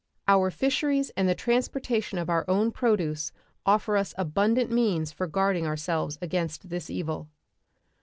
Our fisheries and the transportation of our own produce offer us abundant means for guarding ourselves against this evil.